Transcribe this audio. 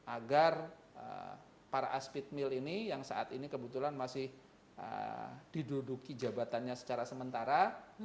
agar para aspid mill ini yang saat ini kebetulan masih diduduki jabatannya secara sementara